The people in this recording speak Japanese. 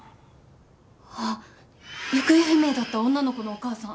あっ行方不明だった女の子のお母さん。